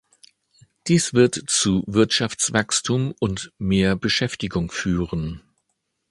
Dies wird zu Wirtschaftswachstum und mehr Beschäftigung führen.